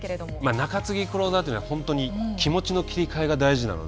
中継ぎクローザーというのは本当に気持ちの切り替えが大事なので。